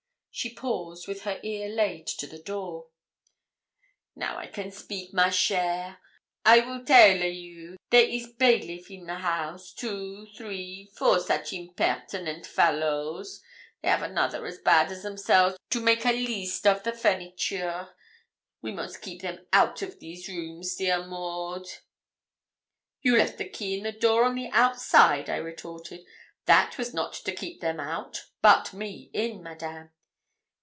She paused, with her ear laid to the door. 'Now I can speak, ma chère; I weel tale a you there is bailiff in the house, two, three, four soche impertinent fallows! They have another as bad as themselve to make a leest of the furniture: we most keep them out of these rooms, dear Maud.' 'You left the key in the door on the outside,' I retorted; 'that was not to keep them out, but me in, Madame.'